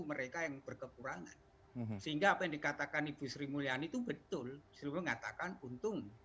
mereka yang berkekurangan sehingga pendekat akan ibu sri mulyani itu betul seluruh ngatakan untung